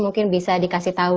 mungkin bisa dikasih tau